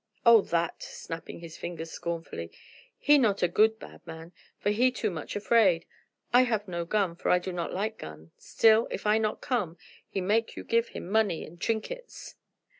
"Oh, that!" snapping his fingers scornfully. "He not a good bad man, for he too much afraid. I have no gun, for I do not like gun. Still, if I not come, he make you give him money an' trinkets."